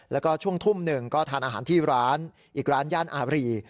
แล้วก็ช่วงทุ่มหนึ่งก็ทานอาหารที่ร้านอีกร้านย่านอาบรี